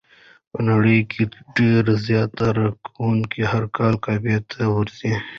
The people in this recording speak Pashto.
په نړۍ کې ډېر زیارت کوونکي هر کال کعبې ته ورځي.